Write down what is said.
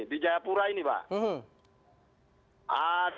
di jayapura ini pak